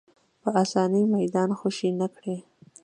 په اسانۍ میدان خوشې نه کړي